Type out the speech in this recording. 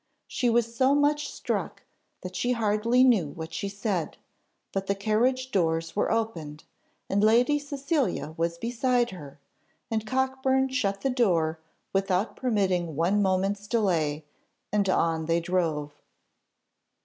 She was so much struck that she hardly knew what was said; but the carriage doors were opened, and Lady Cecilia was beside her, and Cockburn shut the door without permitting one moment's delay, and on they drove.